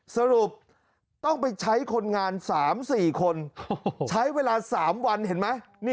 สรุปต้องไปใช้คนงาน๓๔คนใช้เวลา๓วันเห็นไหม